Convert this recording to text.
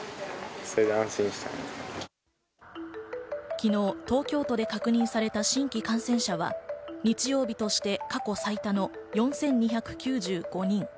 昨日、東京都で確認された新規感染者は日曜日として過去最多の４２９５人。